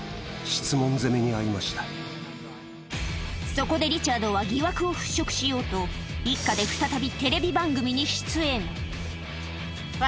そこでリチャードは疑惑を払拭しようと一家で皆さん。